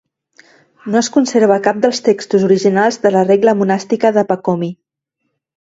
No es conserva cap dels textos originals de la regla monàstica de Pacomi.